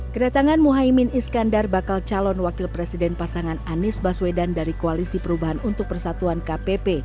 kedatangan muhaymin iskandar bakal calon wakil presiden pasangan anies baswedan dari koalisi perubahan untuk persatuan kpp